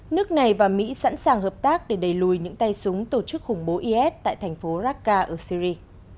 nước này và mỹ sẵn sàng hợp tác để đẩy lùi những tay súng tổ chức khủng bố is tại thành phố rakar ở syri